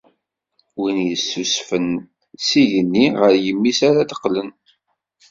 Win yessusfen s igenni, ɣer yimi-s ara d-qqlen.